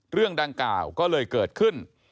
เรื่องดังกล่าวก็เลยเกิดขึ้น